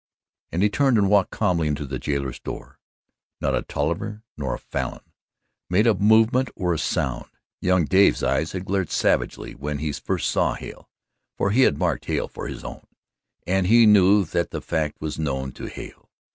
And he turned and walked calmly into the jailer's door. Not a Tolliver nor a Falin made a movement or a sound. Young Dave's eyes had glared savagely when he first saw Hale, for he had marked Hale for his own and he knew that the fact was known to Hale.